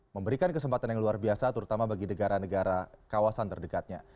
memberikan kesempatan yang luar biasa terutama bagi negara negara kawasan terdekatnya